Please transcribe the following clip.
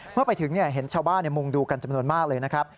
เมื่อไปถึงเห็นชาวบ้านมุงดูกันจำนวนมากเลยนะครับ